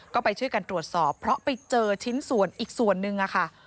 ก็ไปช่วยกันตรวจสอบเพราะไปเจอชิ้นส่วนอีกส่วนนึงค่ะ